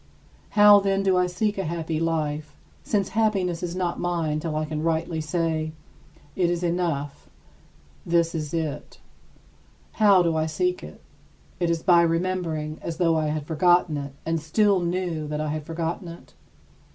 How, then, do I seek a happy life, since happiness is not mine till I can rightly say: "It is enough. This is it." How do I seek it? Is it by remembering, as though I had forgotten it and still knew that I had forgotten it?